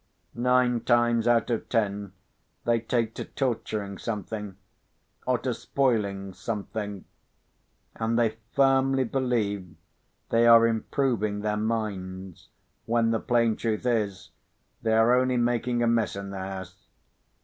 Nine times out of ten they take to torturing something, or to spoiling something—and they firmly believe they are improving their minds, when the plain truth is, they are only making a mess in the house.